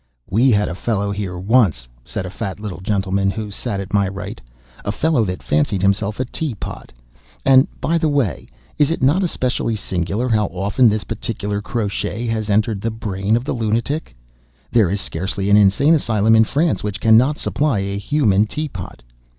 "We had a fellow here once," said a fat little gentleman, who sat at my right,—"a fellow that fancied himself a tea pot; and by the way, is it not especially singular how often this particular crotchet has entered the brain of the lunatic? There is scarcely an insane asylum in France which cannot supply a human tea pot.